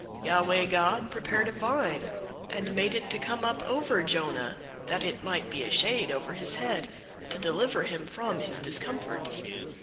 004:006 Yahweh God prepared a vine, and made it to come up over Jonah, that it might be a shade over his head, to deliver him from his discomfort.